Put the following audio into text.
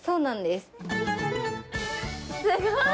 すごい！